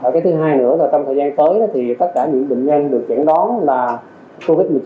cái thứ hai nữa là trong thời gian tới thì tất cả những bệnh nhân được chẩn đoán là covid một mươi chín